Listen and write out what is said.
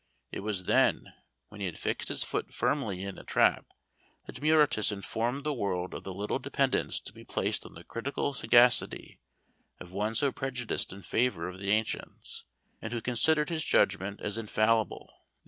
It was then, when he had fixed his foot firmly in the trap, that Muretus informed the world of the little dependence to be placed on the critical sagacity of one so prejudiced in favour of the ancients, and who considered his judgment as infallible.